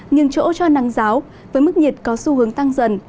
nhưng chỗ cho nắng giáo với mức nhiệt có xu hướng tăng dần